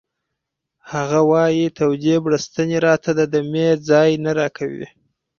هغه وایی تودې بړستنې راته د دمې ځای نه راکوي